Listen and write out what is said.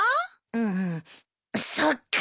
うんそっか。